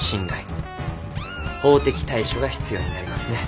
法的対処が必要になりますね。